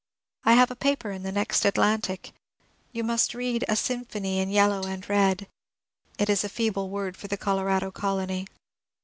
I have a paper in the next ^^ Atlantic '^ you must read, —^^ A Symphony in Yellow and Bed." It is a feeble word for the Colorado colony.